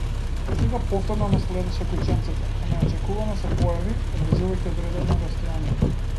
Сега повторно ме следеше кученцето, кое неочекувано се појави, одржувајќи одредено растојание.